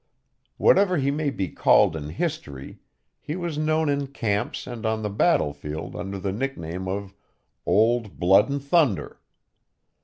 Whatever he may be called in history, he was known in camps and on the battlefield under the nickname of Old Blood and Thunder.